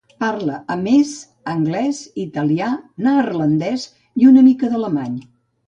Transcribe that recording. Parla, a més, anglès, italià, neerlandès i una mica d'alemany.